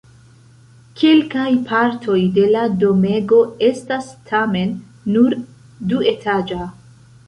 Kelkaj partoj de la domego estas tamen nur duetaĝa.